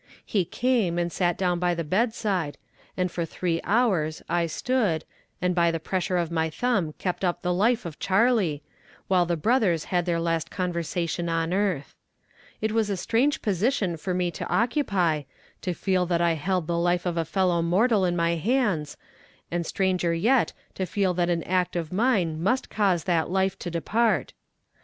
He came and sat down by the bedside, and for three hours I stood, and by the pressure of my thumb kept up the life of Charley, while the brothers had their last conversation on earth. It was a strange position for me to occupy, to feel that I held the life of a fellow mortal in my hands, and stranger yet to feel that an act of mine must cause that life to depart.